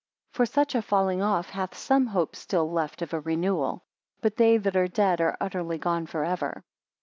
For such a falling off hath some hope still left of a renewal; but they that are dead, are utterly gone for ever.